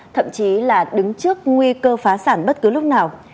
thậm chí là đứng trước nguy cơ phá sản bất cứ lúc nào